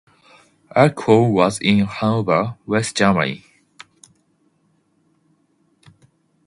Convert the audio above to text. Ackford was born in Hanover, West Germany.